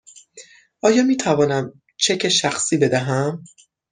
آیا می توانم چک شخصی بدهم؟